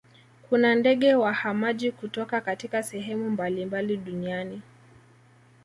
kuna ndege wahamaji kutoka katika sehemu mbalimbali duniani